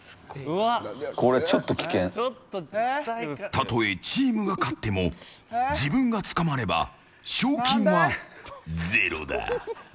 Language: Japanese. たとえチームが勝っても自分が捕まれば賞金はゼロだ。